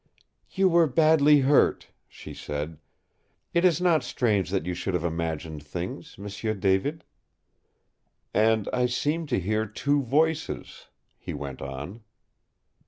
"You were badly hurt," she said. "It is not strange that you should have imagined things, M'sieu David." "And I seemed to hear two voices," he went on.